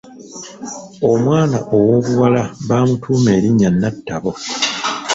Omwana owobuwala baamutuuma erinnya Natabo.